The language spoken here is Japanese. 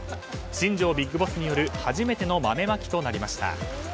新庄ビッグボスによる初めての豆まきとなりました。